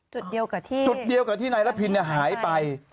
จุดเดียวกับที่จุดเดียวกับที่ในรพินฯหายไป